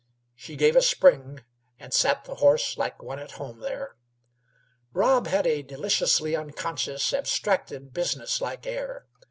She gave a spring, and sat on the horse like one at home there. Rob had a deliciously unconscious, abstracted, business like air.